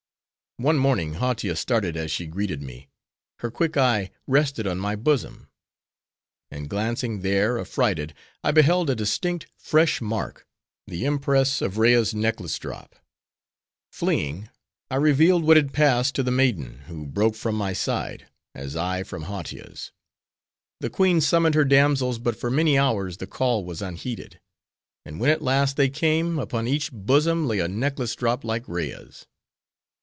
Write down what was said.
One morning Hautia started as she greeted me; her quick eye rested on my bosom; and glancing there, affrighted, I beheld a distinct, fresh mark, the impress of Rea's necklace drop. Fleeing, I revealed what had passed to the maiden, who broke from my side; as I, from Hautia's. The queen summoned her damsels, but for many hours the call was unheeded; and when at last they came, upon each bosom lay a necklace drop like Rea's.